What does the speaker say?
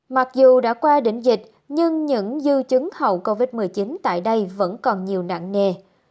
mặc dù đã qua đỉnh dịch nhưng những dư chứng hậu covid một mươi chín tại đây vẫn còn nhiều nặng nề